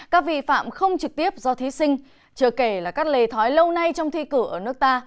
các vi phạm không trực tiếp do thí sinh chờ kể là các lề thói lâu nay trong thi cử ở nước ta